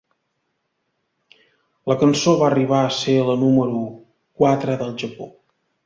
La cançó va arribar a ser la número quatre del Japó.